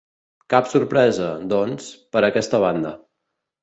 Cap sorpresa, doncs, per aquesta banda.